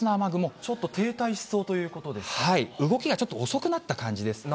ちょっと停滞しそうというこ動きがちょっと遅くなった感じです。